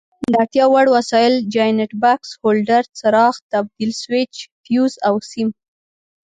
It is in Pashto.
د اړتیا وړ وسایل: جاینټ بکس، هولډر، څراغ، تبدیل سویچ، فیوز او سیم.